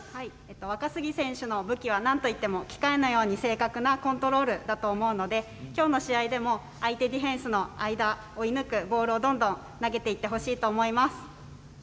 若杉選手の武器はなんといっても機械のように正確なコントロールだと思うのできょうの試合でも相手ディフェンスの間を射抜くボールをどんどん投げていってほしいと思います。